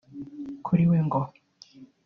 Kuri we ngo